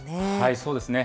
そうですね。